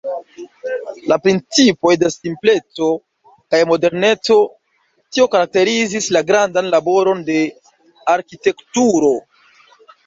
La principoj de simpleco kaj moderneco, tio karakterizis la grandan laboron de Arkitekturo.